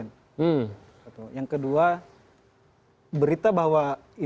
yang kedua berita bahwa intelijen itu berhasil menyebabkan kematian